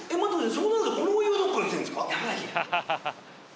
そうなるとこのお湯はどっから来てんですか？